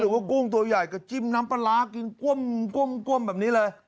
ว่ากุ้งตัวใหญ่ก็จิ้มน้ำปลาร้ากินก้วมแบบนี้เลย